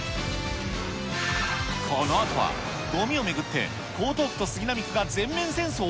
このあとは、ごみを巡って江東区と杉並区が全面戦争？